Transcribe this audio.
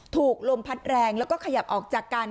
ถูกลมพัดแรงแล้วก็ขยับออกจากกัน